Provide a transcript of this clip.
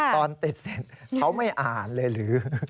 ตอนติดเสร็จเขาไม่อ่านเลยหรือ